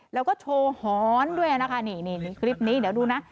แล้วก็โชว์หอนด้วยนะคะนี่คลิปนี้เดี๋ยวดูนะ